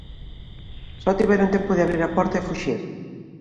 Só tiveron tempo de abrir a porta e fuxir.